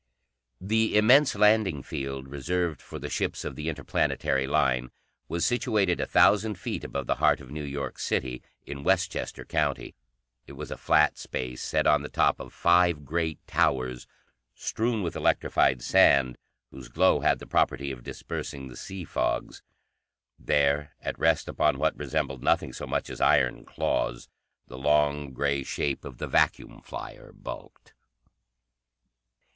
The immense landing field reserved for the ships of the Interplanetary Line was situated a thousand feet above the heart of New York City, in Westchester County. It was a flat space set on the top of five great towers, strewn with electrified sand, whose glow had the property of dispersing the sea fogs. There, at rest upon what resembled nothing so much as iron claws, the long gray shape of the vacuum flyer bulked.